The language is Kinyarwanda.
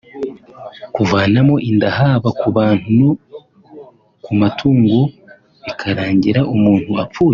kuvanamo inda haba ku bantu no ku matungo bikarangira umuntu apfuye